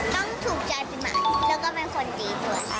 ต้องถูกจัดสมัครแล้วก็เป็นคนดีด้วย